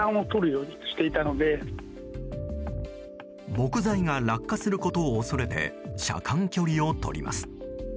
木材が落下することを恐れて車間距離をとります。